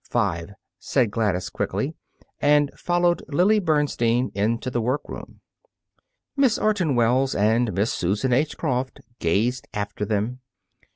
"Five," said Gladys, quickly, and followed Lily Bernstein into the workroom. Mrs. Orton Wells and Miss Susan H. Croft gazed after them.